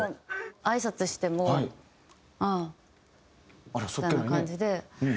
あいさつしても「ああ」みたいな感じで。